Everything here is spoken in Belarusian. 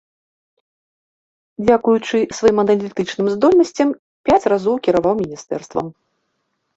Дзякуючы сваім аналітычным здольнасцям пяць разоў кіраваў міністэрствам.